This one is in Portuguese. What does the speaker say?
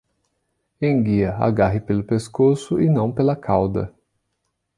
Enguia, agarre pelo pescoço e não pela cauda.